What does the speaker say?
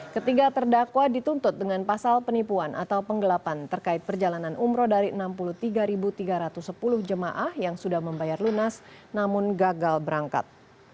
ketiga terdakwa dituntut dengan pasal penipuan atau penggelapan terkait perjalanan umroh dari enam puluh tiga tiga ratus sepuluh jemaah yang sudah membayar lunas namun gagal berangkat